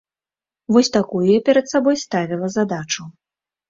Вось такую я перад сабой ставіла задачу.